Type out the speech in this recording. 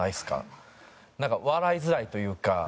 なんか笑いづらいというか。